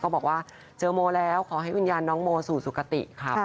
บอกว่าเจอโมแล้วขอให้วิญญาณน้องโมสู่สุขติครับ